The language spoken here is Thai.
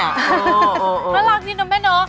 มารักดีนะแม่เนาะ